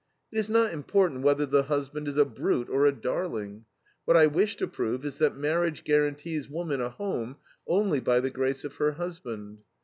It is not important whether the husband is a brute or a darling. What I wish to prove is that marriage guarantees woman a home only by the grace of her husband.